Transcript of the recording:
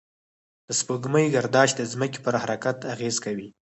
د سپوږمۍ گردش د ځمکې پر حرکت اغېز کوي.